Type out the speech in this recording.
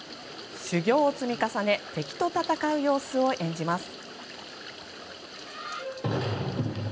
修行を積み重ね敵と戦う様子を演じます。